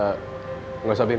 enggak usah bim